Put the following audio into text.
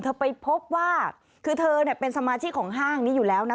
ไปพบว่าคือเธอเนี่ยเป็นสมาชิกของห้างนี้อยู่แล้วนะ